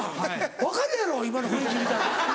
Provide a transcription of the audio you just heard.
分かるやろ今の雰囲気見たら。